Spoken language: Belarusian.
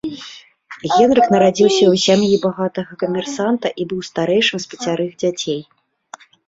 Генрык нарадзіўся ў сям'і багатага камерсанта і быў старэйшым з пяцярых дзяцей.